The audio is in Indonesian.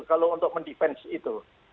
kalau untuk mendefensi itu